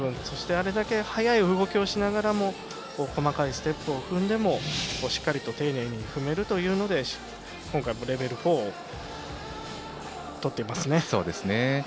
そして、あれだけ早い動きをしながらも細かいステップを踏んでもしっかり丁寧に踏めるというので今回もレベル４をとっていますね。